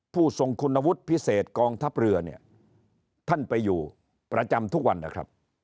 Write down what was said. ผู้ทรงคุณวุฒิพิเศษกองทัพเรือเนี่ยท่านไปอยู่ประจำทุกวันนะครับ